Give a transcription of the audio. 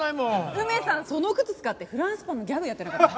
梅さんその靴使ってフランスパンのギャグやってなかった？